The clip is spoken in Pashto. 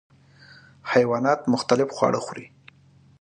حیوانات مختلف خواړه خوري.